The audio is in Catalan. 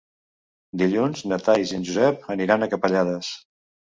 Dilluns na Thaís i en Josep aniran a Capellades.